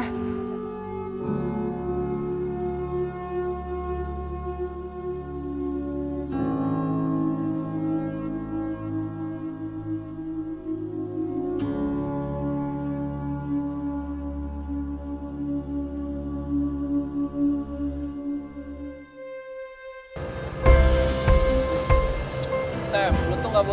lihat tujuan aku